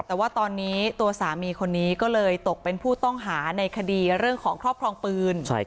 แต่ว่าตอนนี้ตัวสามีคนนี้ก็เลยตกเป็นผู้ต้องหาในคดีเรื่องของครอบครองปืน